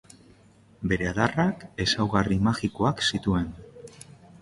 Bere adarrak ezaugarri magikoak zituen.